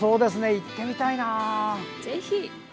行ってみたいな！